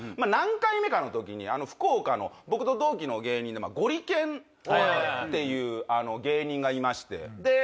何回目かの時に福岡の僕と同期の芸人でゴリけんっていう芸人がいまして。